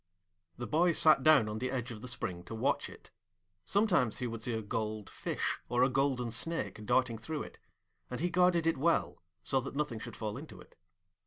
The boy sat down on the edge of the spring to watch it; sometimes he would see a gold fish or a golden snake darting through it, and he guarded it well, so that nothing should fall into it.